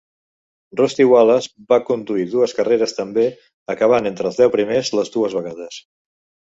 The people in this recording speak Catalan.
Rusty Wallace va conduir dues carreres també, acabant entre els deu primers les dues vegades.